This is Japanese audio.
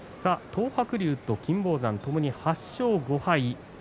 東白龍と金峰山ともに８勝５敗